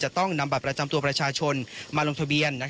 จะต้องนำประจำตัวประชาชนมาลงทะเบียนนะครับ